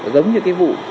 giống như cái vụ